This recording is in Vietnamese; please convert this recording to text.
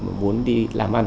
mà muốn đi làm ăn